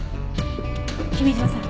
君嶋さん